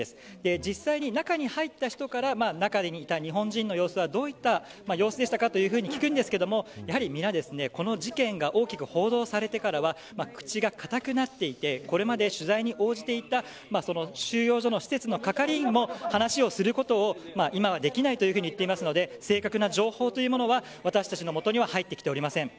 実際に、中に入った人から中にいた日本人の様子はどういった様子でしたかと聞くんですけれどもやはり皆、この事件が大きく報道されてからは口が堅くなっていてこれまで取材に応じていた収容所の施設の係員も話をすることを、今はできないと言っていますので正確な情報は私たちのもとには入ってきておりません。